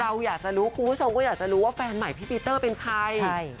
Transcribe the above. เราอยากจะรู้คุณผู้ชมก็อยากจะรู้ว่าแฟนใหม่พี่ปีเตอร์เป็นใคร